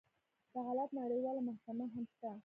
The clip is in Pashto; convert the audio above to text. د عدالت نړیواله محکمه هم شته.